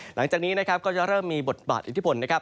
หลังจากนี้นะครับก็จะเริ่มมีบทบาทอิทธิพลนะครับ